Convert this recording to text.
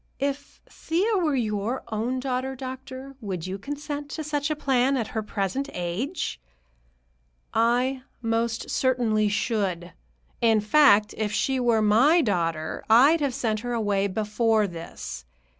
"If Thea were your own daughter, doctor, would you consent to such a plan, at her present age?" "I most certainly should. In fact, if she were my daughter, I'd have sent her away before this.